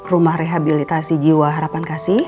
rumah rehabilitasi jiwa harapan kasih